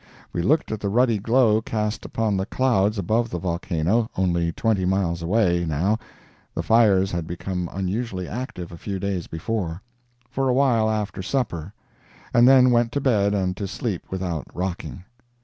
We looked at the ruddy glow cast upon the clouds above the volcano, only twenty miles away, now (the fires had become unusually active a few days before) for awhile after supper, and then went to bed and to sleep without rocking.